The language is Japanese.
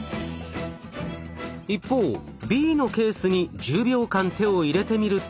一方Ｂのケースに１０秒間手を入れてみると。